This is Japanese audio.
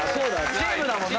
チームだもんな。